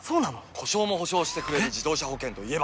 故障も補償してくれる自動車保険といえば？